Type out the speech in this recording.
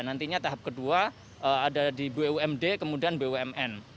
nantinya tahap kedua ada di bumd kemudian bumn